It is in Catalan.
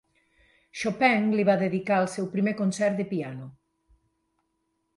Chopin li va dedicar el seu primer concert de piano.